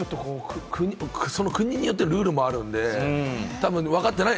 国によってルールもあるので、わかってない。